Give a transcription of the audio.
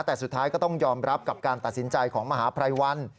แต่สุดท้ายก็ต้องยอมรับกับการตัดสินใจของมหาภัยวัน